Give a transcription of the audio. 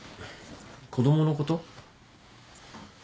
子供のこと？